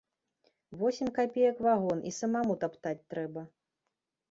Восем капеек вагон, і самаму таптаць трэба.